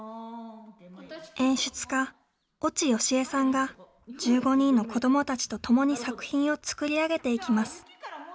演出家越智良江さんが１５人の子どもたちと共に作品を作り上げていきます。